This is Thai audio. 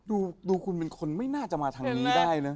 ดูคุณเป็นคนไม่น่าจะมาทางนี้ได้นะ